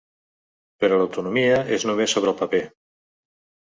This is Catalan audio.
Però l’autonomia és només sobre el paper.